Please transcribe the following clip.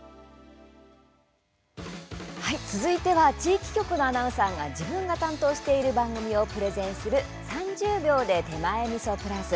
続いては地域局のアナウンサーが自分が担当している番組をプレゼンする「３０秒で手前みそプラス」。